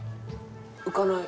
浮かない。